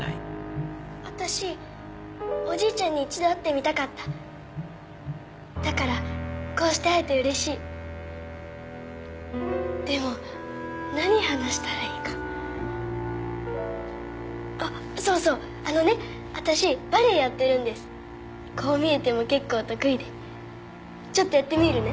おじいちゃんに一度会ってみたかっただからこうして会えてうれしいでも何話したらいいかあっそうそうあのね私バレエやってるんですこう見えても結構得意でちょっとやってみるね